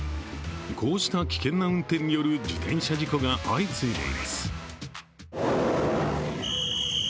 こうした危険な運転による自転車事故が相次いでいます。